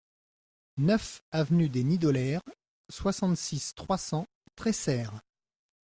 neuf avenue des Nidoleres, soixante-six, trois cents, Tresserre